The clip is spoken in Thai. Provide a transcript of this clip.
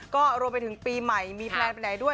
ก็รวมไปถึงปีใหม่มีแพลนไปไหนด้วย